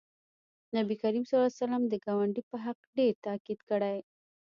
نبي کریم صلی الله علیه وسلم د ګاونډي په حق ډېر تاکید کړی